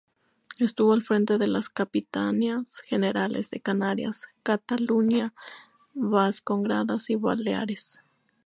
Estuvo al frente de las capitanías generales de Canarias, Cataluña, Vascongadas y Baleares.